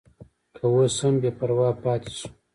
که اوس هم بې پروا پاتې شو.